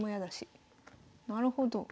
なるほど。